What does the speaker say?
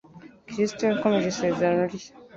Kristo yakomeje isezerano rye.